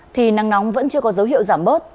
thì nắng nóng vẫn chưa có dấu hiệu giảm bớt